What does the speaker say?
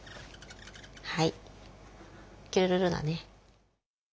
はいキュルルだね。